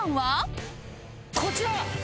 こちら！